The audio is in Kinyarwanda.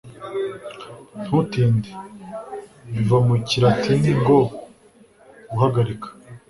Ntutinde; biva mu kilatini ngo guhagarika